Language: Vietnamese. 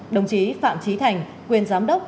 đồng chí phạm trí thành quyền giám đốc